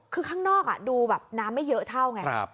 คือข้างนอกดูแบบน้ำไม่เยอะเท่าไง